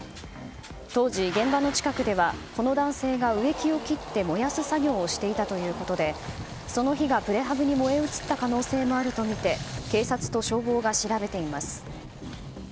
当時、現場の近くではこの男性が植え木を切って燃やす作業をしていたということでその火がプレハブに燃え移った可能性もあるとみて警察と消防が調べています。